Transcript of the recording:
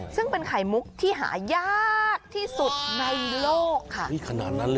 ซึ่งเป็นไข่มุกที่หายากที่สุดในโลกค่ะ